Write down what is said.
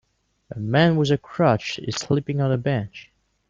A man with a crutch is sleeping on a bench.